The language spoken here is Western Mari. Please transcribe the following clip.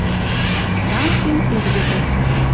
ФРАНЦИН ЭРГӸЖӸ